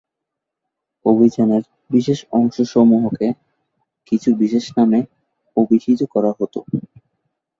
অভিযানের বিশেষ অংশ সমূহকে কিছু বিশেষ নামে অভিহিত করা হত।